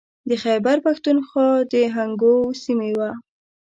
د خیبر پښتونخوا د هنګو سیمې و.